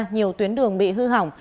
nhiều tuyến đường bị hư hỏng